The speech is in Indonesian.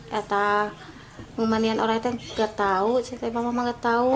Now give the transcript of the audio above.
dan memandikan ularnya saya tahu mama tahu